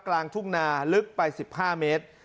กลางทุ่งนาลึกไป๑๕เมตร